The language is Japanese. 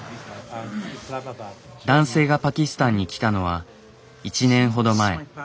男性がパキスタンに来たのは１年ほど前。